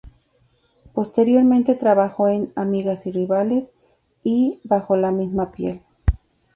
Posteriormente trabajó en "Amigas y Rivales" y "Bajo la Misma Piel".